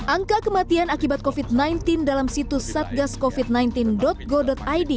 angka kematian akibat covid sembilan belas dalam situs satgascovid sembilan belas go id